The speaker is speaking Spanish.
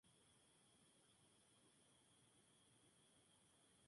Desarrollo su carrera en Chile.